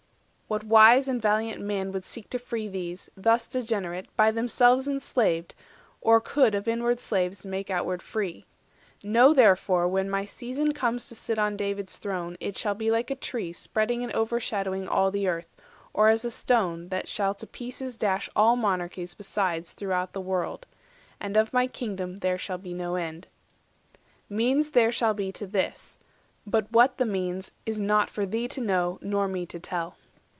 What wise and valiant man would seek to free These, thus degenerate, by themselves enslaved, Or could of inward slaves make outward free? Know, therefore, when my season comes to sit On David's throne, it shall be like a tree Spreading and overshadowing all the earth, Or as a stone that shall to pieces dash All monarchies besides throughout the world; 150 And of my Kingdom there shall be no end. Means there shall be to this; but what the means Is not for thee to know, nor me to tell."